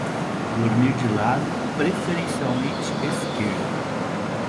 Dormir de lado, preferencialmente esquerdo